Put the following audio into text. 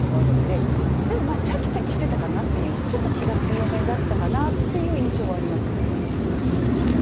でもまあちゃきちゃきしてたかなっていうちょっと気が強めだったかなっていう印象はありますけどね。